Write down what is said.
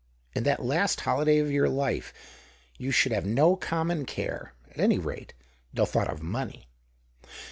In that last holiday of your life, you should have no common care — at any rate, no thought of money."